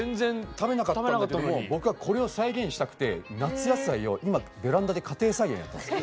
食べなかったんだけども僕はこれを再現したくて夏野菜を今ベランダで家庭菜園やってます。